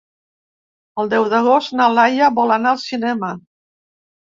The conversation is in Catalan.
El deu d'agost na Laia vol anar al cinema.